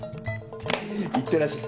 いってらっしゃ。